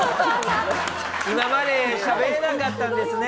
今までしゃべれなかったんですね。